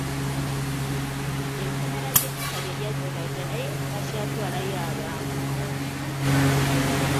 Ekkomera ly'e Kitalya lyajjula dda naye bakyatwalayo abantu.